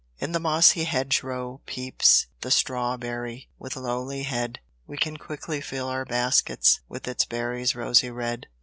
In the mossy hedge row peeps, The strawberry with lowly head; We can quickly fill our baskets, With its berries rosy red.